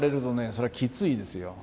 そりゃきついですよ。